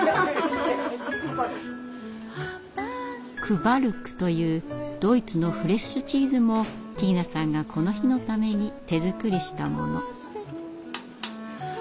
「クヴァルク」というドイツのフレッシュチーズもティーナさんがこの日のために手作りしたもの。